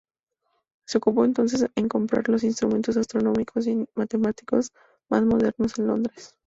Se ocupó entonces en comprar los instrumentos astronómicos y matemáticos más modernos en Londres.